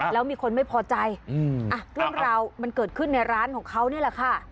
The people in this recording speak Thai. แล้วมีคนไม่พอใจเรื่องราวมันเกิดขึ้นในร้านของเขานี่แหละค่ะ